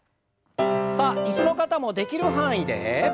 さあ椅子の方もできる範囲で。